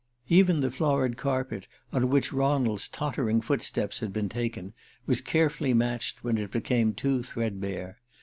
Even the florid carpet on which Ronald's tottering footsteps had been taken was carefully matched when it became too threadbare.